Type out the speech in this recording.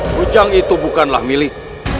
kucang itu bukanlah milik